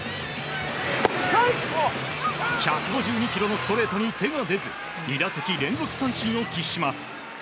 １５２キロのストレートに手が出ず２打席連続三振を喫します。